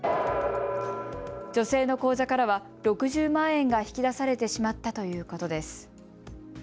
女性の口座からは６０万円が引き出されてしまったということです。